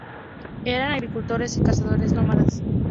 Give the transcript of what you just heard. Eran agricultores y cazadores nómadas.